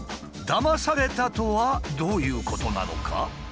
「だまされた」とはどういうことなのか？